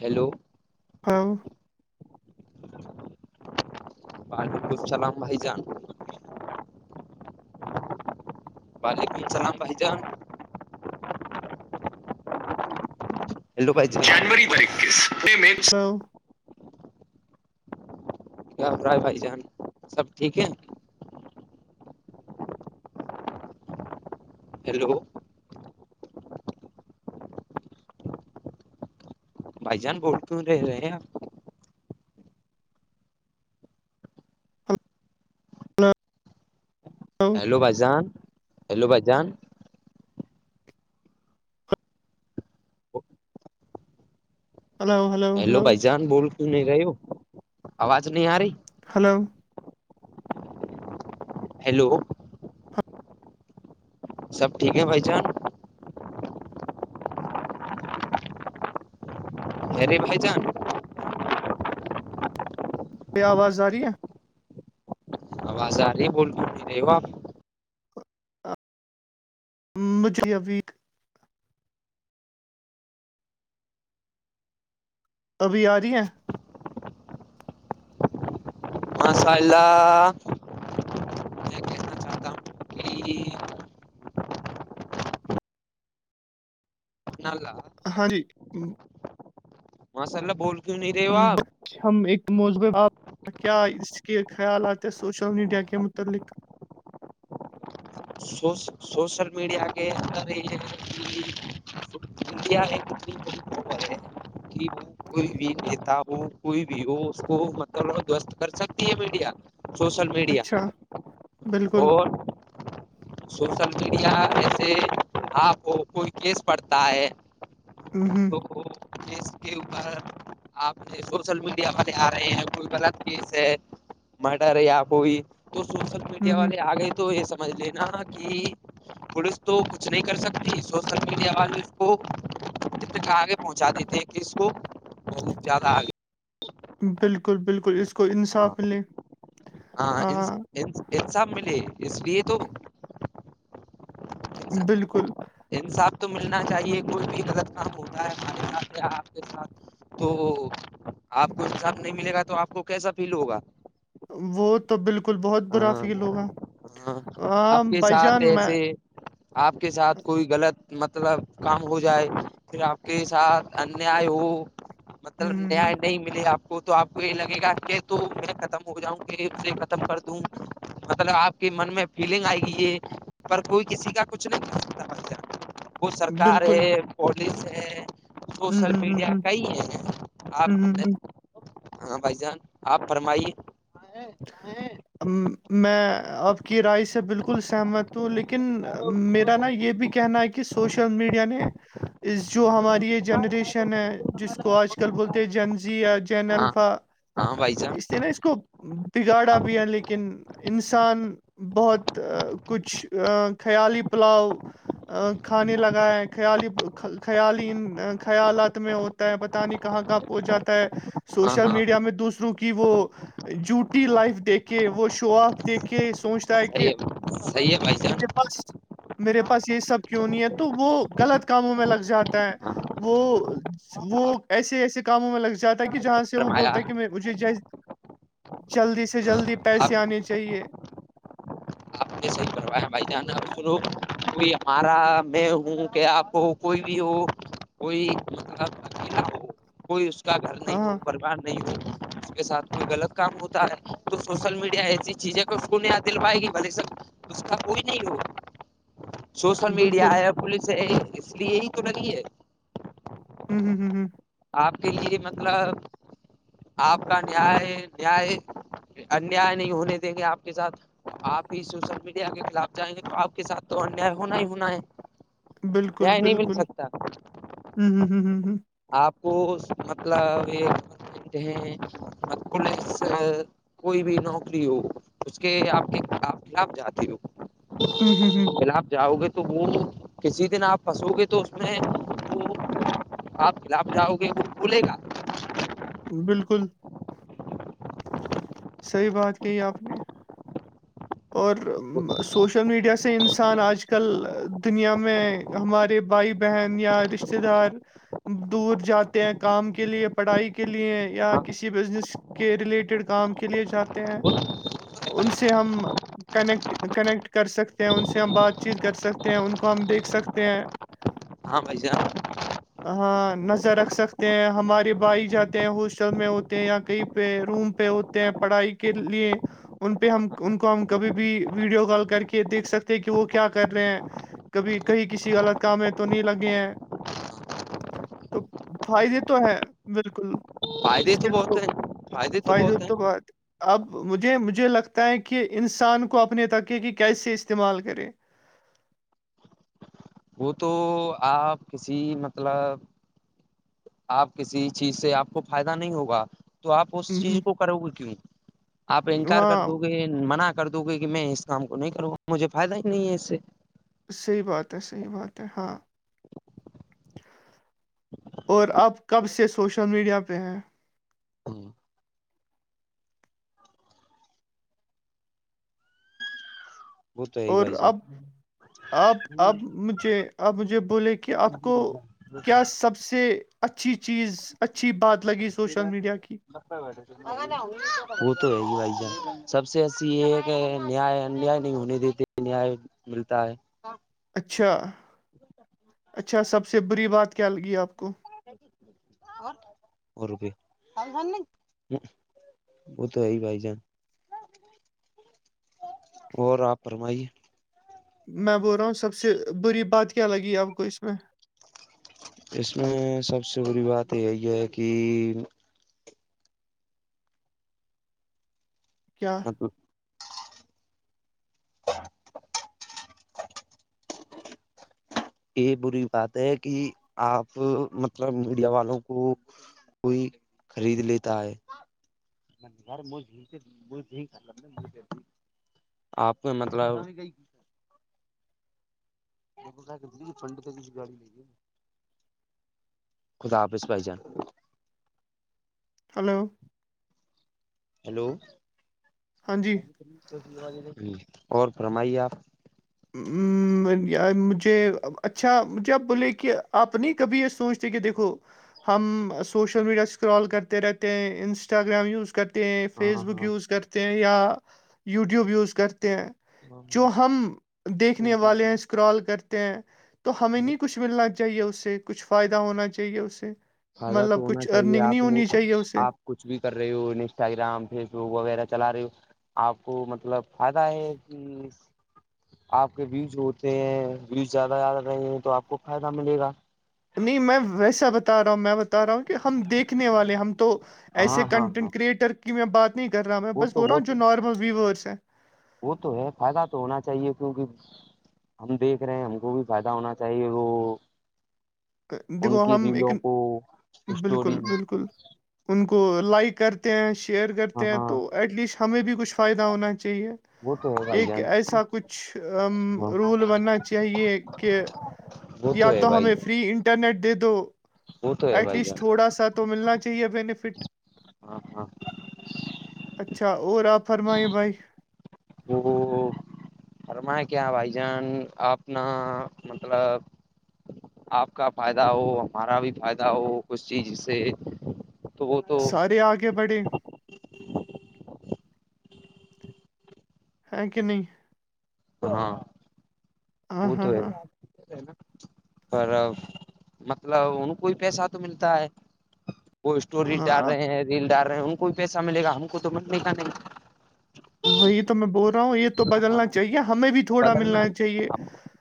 Hello ہاں بع لب سلام بھائی جان بعالک من چلح ب ہجا [unintelligible] ہیلو بھائی جان جانوری بار اکیس م سا [unintelligible] کیارائے بھائی جان سب ٹھیک ہے ہیلو بھائی جان بول کیوں رہے ہیں آپ ہلو ہلو ہیلو بھ جان ہیلو بھ جان ہلو ہلو ہیلو ہلو بائی جان بول ت نہیں رہی آوج نہیں ہ آاری ہلو ہیلو سب ٹھیک ہے بھائی چان ارے بھائی جان ب آواز آ رہی ہے آواز آ رہی بول رہے ہو آپ [unintelligible] [unintelligible] [unintelligible] [unintelligible] ہاں جی ماںسا اللہ بول کیوں نہیں رے باب ہم ایک موض ب کیا اس کے خیالات ہیں سوشل میڈیا کے متعلق سوس سوشل میڈیا کےر انڈیا ایک ہے ج ب کوئی بھی نیتا ہو کوئی بھی ہو اس کو مطلب دوست کر سکتی ہے میڈیا سوشل میڈیا اچھا بالکل اور سوشل میڈیا میںسے آپ کو کوئی کیس پڑھتا ہے ہ ہ کھوکھو جس کے اوپر آپ یہ سوشل میڈیا پرے آ رہے ہیں کوئی غلط کیس ہے مٹا رہے آپ کو بھی تو سوشل ہ میڈیا ہ والے آ گئے تو یہ سب ج لینا کہ پولیس تو کچھ نہیں کر سکتی سوسل میڈیا والے اس کو کتنے کہ آگے پہنچا دیتے ہیں کہ اس کو بہت زیادہ آگے بالکل بالکل اس کو انصاف ملیں ہاں انساب ملے اس لیے تو بالکل انصاف تو ملنا چاہیے کوئی بھی غلط کام ہوتا ہے ہمارے ساتھ یا آپ کے ساتھ تو آپ کو ان سھ نہیں ملے گا تو آپ کو کیسا فیل ہوگا وہ تو بالکل بہت برا ہاں فیل ہوگا ہاں آپ ہاں کے بھائی ساتھ جان میں ایسے آپ کے ساتھ کوئی غلط مطلب کام ہو جائے پھر آپ کے ساتھ انیا ہو مطلب ہوں، ہوں، نیائے نہیں ملے آپ کو تو آپ کو یہی لگے گا کہ تو میں ختم ہو جاؤں کہ اسے ختم کر دوں مطلب آپ من میں فیلنگ آئے گی یہ پر کوئی کسی کا کچھ نہیں کر سکتا وہ سرکار بالکل ہے پولیس ہے ہوں، سوشل ہوں، ہوں، میڈیا ہوں، کئی ہیں ہوں، آپ ہوں، ہوں۔ ہاں بھائی جان آپ فرمائیے میں آپ کی رائے سے بالکل سہمت ہوں لیکن میرا نا یہ بھی کہنا ہے کہ کہ سوشل میڈیا نے اس جو ہماری یہ جنریشن ہے جس کو آج کل بولتے ہیں جنزیا جین ہاں الفا ہاں بائی جا اس نا اس کو بگاڑا بھی ہے لیکن انسان بہت کچھ خیالی پلاؤ کھانے لگائے ہیں خیالی خیالی ان خیالات میں ہوتا ہے پت نہیں کہاں کہاں ہو جاتا ہے ہاں سوشل ہاں میڈیا میں دوسروں کی وہ جوٹی لائف دیک کے وہ شو آپ دیکھ کے سوچتا ہے کہ صحیح ہے صحیح ہے بھائی مے جان میرے پاس یہی سب کیوں نہیں ہے تو وہ غلط کاموں میں لگ جاتا ہے ہاں وہ وہ ایسے ایسے کاموں میں لگ جاتا ہے کہ جہاں سے وہ فرمایا بولتا ہے کہ میں مجھے ج جلدی سے ہاں جلدی آپ پیسے آنے چاہیے کیسح ہیح کروائے بھائی جانا سنو کوئی ہمارا میں ہوں کہ آپ کو کوئی بھی ہو کوئی اس کا پکلا ہو کوئی اس کا گھر نہیں ہو ہاں پرروان [inaudible] اس کے ساتھ کوئی غلط کام ہوتا ہے تو سوشل میڈیا ایسی چیزیں کہ اس کو ند دل پائے گی بھلے سب اس کا کوئی نہیں ہو سوشل میڈیا بالکل ایب پوولس اس لیے ہی تو نہیںگی ہے ہوں ہوں ہوں آپ کے لیے مطلب آپ کا نیا نیا انیا نہیں ہونے دیں گے آپ کے ساتھ آپ ہی سوشل میڈیا کے خلاف جائیں گے تو آپ کے ساتھ تو انیا ہونا ہی ہونا ہے ناے نہیں مل سکتا ہوں ہوں ہ ہوں آپ کو مطلب یہ کہتے ہیس کوئی بھی نوکری ہو اس کے آپ کے آپ جاتے ہو ہوں ہوں پل آپ جاؤ گے تو وہ کسی دن آپ فھسو گے تو اس میں وہ آپ خلاف جاؤ گے کچھ بھولے گا بلکل صحیح بات کہی آپ نے اور سوشل میڈیا سے انسان آج کل دنیا میں ہمارے بھائی بہن یا رشتتے دار دور جاتے ہیں کام کے لیے پڑھائی کے لیے یا ہاں کسی بزنس کے ریلیٹڈ کام کے لیے جاتے ہیں ان سے ہم کنیکٹ کنیکٹ کر سکتے ہیں ان سے ہم بات چیت کر سکتے ہیں ان کو ہم دیکھ سکتے ہیں [inaudible] ہا بھائی جان نظر رکھ سکتے ہیں ہمارے بھائی جاتے ہیں ہوسٹل میں ہوتے ہیں یا کئی پے روم پے ہوتے ہیں پڑھائی کے لیے ان پہ ہاں ہم ہاں ان کو ہم کبھی بھی ویڈیو کال کر کے دیکھ سکتے ہیں کہ وہ کیا کر رہے ہیں کبھی کہیں کسی غلط کام میں تو نہیں لگے ہیں تو فائدے تو ہے بالکل فائدے اس کے بہت تو ہیں فائدے بہت ہیں تو بد اب مجھے مجھے لگتا ہے کہ انسان کو اپنے تک ہے کہ کیسے استعمال کرے وہ تو آپ کسی مطلب آپ کسی چیز سے آپ کو فائدہ نہیں ہوگا تو آپ اس چیز ہمم، کو کرو گے کیوں آپ انکار کر ہاں دو گے منع کر دوں گے کہ میں اس کام کو نہیں کروں گا مجھے فائد ہی نہیں ہے اس کام سے صحیح بات ہے صحیح بات ہے ہاں اور آپ کب سے سوشل میڈیا پہ ہیں ہاں وہ تو ہے ہی اور بھائی جان اب آپ اب مجھے آپ مجھے بولے کہ آپ کو کیا سب سے اچھی چیز اچھی بات لگی سوشل میڈیا کی بت ب رہ وہ تو ہے ہی بھائی جان سب سے اچھی یہ ہے کہ نیا نہیں ہونے دیتے نیاے ملتا ہے اچھا اچھا سب سے بری بات کیا لگی آپ کو اور اور روپیہ س سن ن وہ تو ہے بھائی جان اور آپ فرماے میں بھول رہا ہوں سب سے بری بات کیا لگی آپ کو اس میں اس میں سب سے بری بات یہی ہے کہ کیا ہ یہ بری بات ہے کہ آپ مطلب میڈیا والوں کو کوئی خرید لیتا ہے [unintelligible] آپ کا مطلب خدا حافظ بھائی جان ہیلو ہیلو ہاں جی اور فرمائیے آپ مجھے اچھا مجھے اپ بولیے کہ آپ نہیں کبھی یہ سوچتے کہ دیکھو ہم سوشل میڈیا اسکرال کرتے رہتے ہیں انسٹاگرام یوز کرتے ہیں فیس ہاں بک ہاں یوز کرتے ہیں یا یوٹیوب یوز کرتے ہیں جو ہم دیکھنے والے ہیں اسکرال کرتے ہیں تو ہمیں نہیں کچھ کچھ ملنا چاہیے اس سے کچھ فائدہ ہونا چاہیے اسے فائدہ تو مطلب ہونا کچھ چاہیے ارننگ نہیں آپ نے ہونی چاہیے اسے آپ کچھ بھی کر رہی ہووں انسٹاگرام فیس بک وغیرہ چلا رہی ہو آپ کو مطلب آتا ہے کہ آپ کے ویوج ہوتے ہیں ووز زیادہ آ رہے ہیں تو آپ کو فائدہ ملے گا نہیں میں ویسا بتا رہا ہوں میں بتا رہا ہوں کہ ہم دیکھنے والے ہم تو ایسے ہاں ہاں ہاں کنٹینٹ کریٹر کی میں بات نہیں کر رہا میں وہ بس تو بول رہا وہ ہوں جو تو نارمل ویورس ہیں وہ تو ہے فائدہ تو ہونا چاہیے کیونکہ ہم دیکھ رہے ہیں ہم کو بھی فائدہ ہونا چاہیے وہ ان دیکھو کی ہم ایک ریلوں کو اسٹوری بالکل بالکل ان کو لائک کرتے ہیں شیئر ہاں کرتے ہیں ہاں تو ایٹ لیسٹ ہمیں بھی کچھ فائدہ ہونا چاہیے وہ تو ہے بھائی ایک جان ایسا کچھ ہاں رول بننا چاہیے کہ وہ تو یا ہے بھائی ہمیں فری انٹرنیٹ دے دو وہ تو ہے ایٹ بھائی جان لیسٹ تھوڑا سا تو ملنا چاہیے بینیفٹ ہاں ہاں اچھا اور آپ فرمائیے بھائی وہ فرما کیا بھائی جان آپ نا مطلب آپ کا فائدہ ہو ہمارا بھی فائدہ ہو کچھ چیز سے تو وہ تو سارے آگے بڑھے ہے کہ نہیں ہاں ہاں وہ تو ہاں ہے ہاں پر مطلب ان کو ہی پیسہ تو ملتا ہے وہ اسٹوریز ڈال ہاں رہے ہیں ریل ڈال رہے ہیں ان کو بھی پیسہ ملے گا ہم کو تو ملے گا نہیں وہی تو میں بول رہا ہوں یہ تو بدلنا ہاں چاہیے ہمیں بھی تھوڑا بدلنا ملنا چاہیے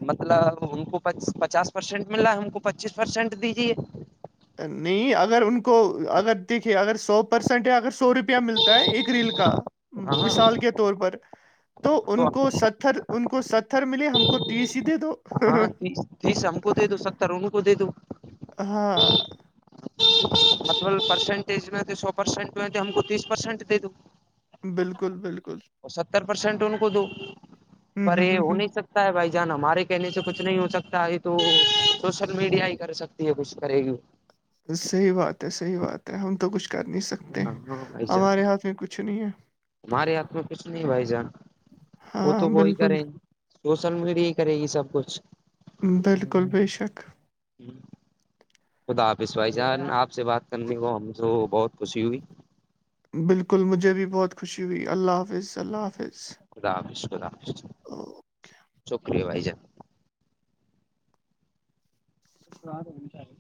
مطلب ان کو پچاس پرسینٹ مل رہ ہے ہم کو پچیس پرسینٹ دیجیے نہیں اگر ان کو اگر دیکھیے اگر سو پرسینٹ اگر سو روپیہ ملتا ہے ایک ریل کا ہاں مثال کے طور پر تو ان کو ستھر ان کو ستھر ملے ہم کو تیس دے دو ہاں تیس تیس ہم کو دے دو ستھر ان کو دے دو ہاں مطلب پرسینٹیج میں تو سو پرسینٹ میں ہم کو تیس پرسینٹ دے دو بالکل بالکل وہ ستھر پرسینٹ ان کو دو ہوں پر ہوں یہ ہوں ہو ہوں نہیں سکتا ہے بھائی جان ہمارے کہنے سے کچھ نہیں ہو سکتا ا تو سوشل میڈیا ہی کر سکتی ہے کچھ کرے گی صحیح بات ہے صحی بات ہے ہم تو کچھ کر نہیں سکتے ہاں ہاں بھائی جان ہمارے ہاتھ میں کچھ نہیں ہے ہمارے ہاتھ میں کھ نہیں بھائی جان وہ تو ہاں وہی بالکل کرے سوشل میڈیا ہی کرے گی سب کچھ بالکل ب شک خدا آپس بھائی جان آپ سے بات کرنے کو ہم سے بہت خوشی ہوئی بالکل مجھے بھی بہت خوشی ہوئی اللہ حافظ اللہ حافظ خدا حافظ خداف چوکری ہے بھائی جان تواچارے